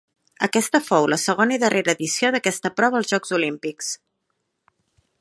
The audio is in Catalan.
Aquesta fou la segona i darrere edició d'aquesta prova als Jocs Olímpics.